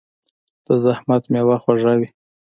د زحمت میوه خوږه وي.